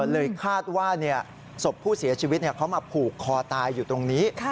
เลยคาดว่าศพผู้เสียชีวิตเขามาผูกคอตายอยู่ตรงนี้